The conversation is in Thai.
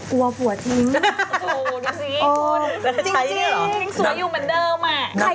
กลัวผัวทิ้ง